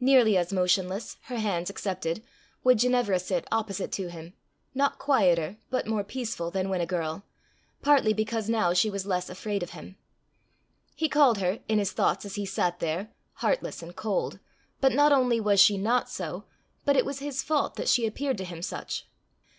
Nearly as motionless, her hands excepted, would Ginevra sit opposite to him, not quieter, but more peaceful than when a girl, partly because now she was less afraid of him. He called her, in his thoughts as he sat there, heartless and cold, but not only was she not so, but it was his fault that she appeared to him such.